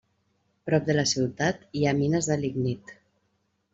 Prop de la ciutat hi ha mines de lignit.